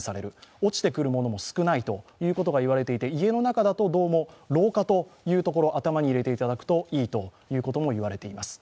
落ちてくるものも少ないということもいわれていて、家の中だとどうも廊下を頭に入れておくといいと言われています。